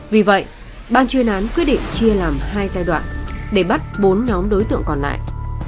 vì vậy ban chuyên án quyết định chia làm hai giai đoạn để bắt bốn nhóm đối tượng còn lại